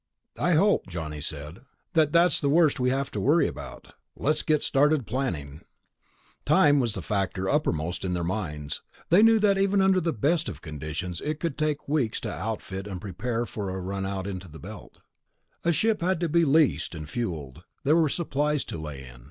"I hope," Johnny said, "that that's the worst we have to worry about. Let's get started planning." Time was the factor uppermost in their minds. They knew that even under the best of conditions, it could take weeks to outfit and prepare for a run out to the Belt. A ship had to be leased and fueled; there were supplies to lay in.